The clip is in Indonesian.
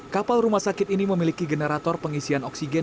kapal rumah sakit ini memiliki generator pengisian oksigen